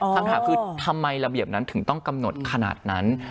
คำถามคือทำไมระเบียบนั้นถึงต้องกำหนดขนาดนั้น